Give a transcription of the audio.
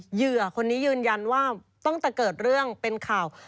เหยื่อคนนี้ยืนยันว่าตั้งแต่เกิดเรื่องเป็นข่าว